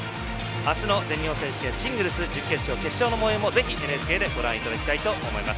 明日の全日本選手権、シングルス準決勝、決勝のもようもぜひ、ＮＨＫでご覧いただきたいと思います。